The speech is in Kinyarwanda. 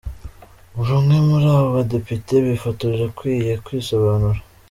Buri umwe muri abo badepite bifotoje akwiye kwisobanura.